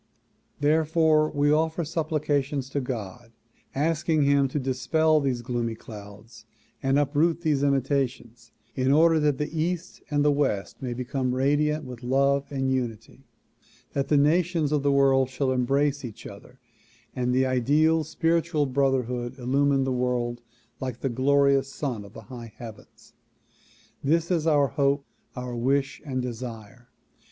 Therefore we offer supplications to God, asking him to dispel these gloomy clouds and uproot these imitations in order that the east and west may become radiant with love and unity; that the nations of the world shall embrace each other and the ideal spiritual brotherhood illumine the world like the glorious sun of the high heavens. This is our hope, our wish and desire.